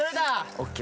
ＯＫ